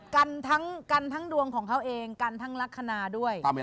กันทั้งกันทั้งดวงของเขาเองกันทั้งลักษณะด้วย